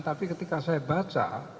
tapi ketika saya baca